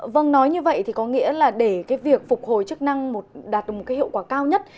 vâng nói như vậy thì có nghĩa là để cái việc phục hồi chức năng đạt được một cái hiệu quả cao nhất